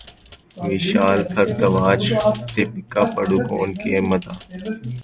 ویشال بھردواج دپیکا پڈوکون کے مداح